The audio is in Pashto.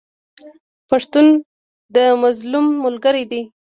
پښتون د مظلوم ملګری دی.